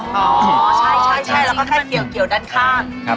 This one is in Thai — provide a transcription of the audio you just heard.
อ๋อแน่แล้วก็ท่าเกี่ยวด้านข้าง